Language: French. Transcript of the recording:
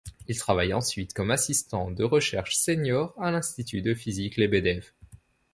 Il travaille ensuite comme assistant de recherche sénior à l'Institut de physique Lebedev.